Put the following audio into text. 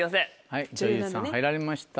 はい女優さん入られました。